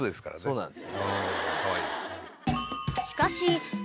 そうなんです。